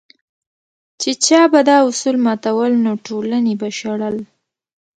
چې چا به دا اصول ماتول نو ټولنې به شړل.